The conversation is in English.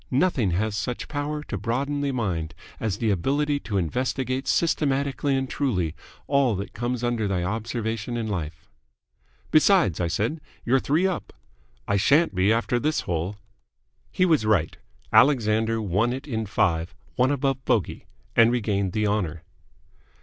"Nothing has such power to broaden the mind as the ability to investigate systematically and truly all that comes under thy observation in life." "Besides," I said, "you're three up." "I shan't be after this hole." He was right. Alexander won it in five, one above bogey, and regained the honour.